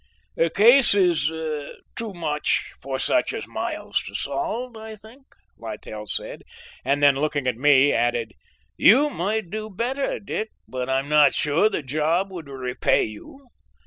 "The case is too much for such as Miles to solve, I think," Littell said, and then looking at me added, "You might do better, Dick, but I am not sure the job would repay you."